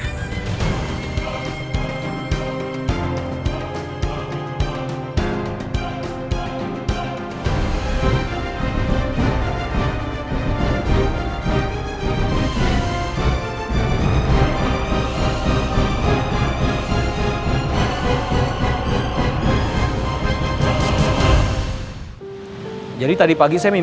dia itu orang yang ngeselin